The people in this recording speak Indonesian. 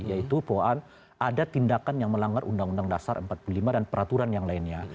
yaitu bahwa ada tindakan yang melanggar undang undang dasar empat puluh lima dan peraturan yang lainnya